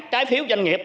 trái phiếu doanh nghiệp